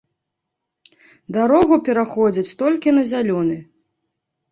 Дарогу пераходзяць толькі на зялёны.